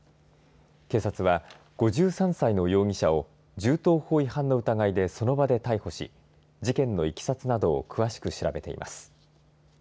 警察は５３歳の容疑者を銃刀法違反の疑いでその場で逮捕し事件のいきさつなどを詳しく調べています。